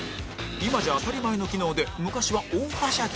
今じゃ当たり前の機能で昔は大ハシャギ！